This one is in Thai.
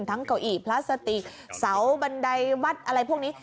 ทั้งเก้าอีพระสติเสาบันไดวัดอะไรพวกนี้